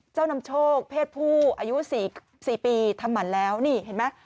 นำโชคเพศผู้อายุ๔ปีทำหมั่นแล้วนี่เห็นไหม